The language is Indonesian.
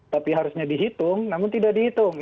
tapi harusnya dihitung namun tidak dihitung